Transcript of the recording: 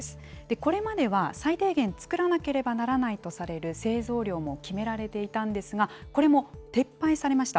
これまでは、最低限造らなければならないとされる製造量も決められていたんですが、これも撤廃されました。